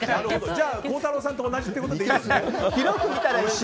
じゃあ孝太郎さんと同じってことでいいですね。